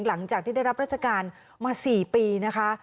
หลังจากที่ได้รับราชการมา๔ปีนะคะ